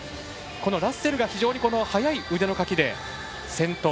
ラッセルが非常に早い腕のかきで先頭。